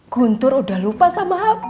guntur udah lupa sama aku